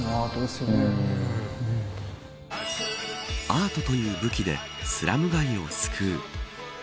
アートという武器でスラム街を救う。